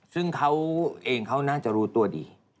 ซึ่งเขาเองเขาน่าจะรู้ตัวดี